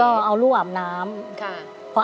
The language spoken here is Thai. แล้วทำอะไรอีกครับพี่เก๋ก็เอารู้อาบน้ำ